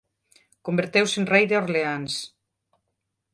Converteuse en rei de Orleáns.